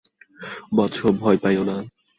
বৎস, ভয় পাইও না।